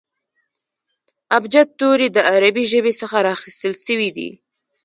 ابجد توري د عربي ژبي څخه را اخستل سوي دي.